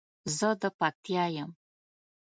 زه د پکتیا یم